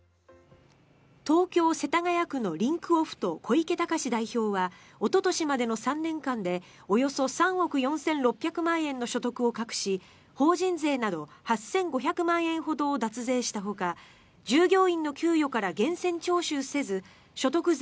東京・世田谷区のリンクオフと小池隆志代表はおととしまでの３年間でおよそ３億４６００万円の所得を隠し法人税など８５００万円ほどを脱税したほか従業員の給与から源泉徴収せず所得税